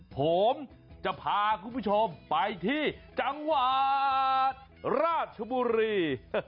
ผมจะพาคุณผู้ชมไปที่จังหวัดราชบุรี